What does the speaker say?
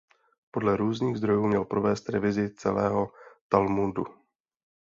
Podle různých zdrojů měl provést revizi celého Talmudu.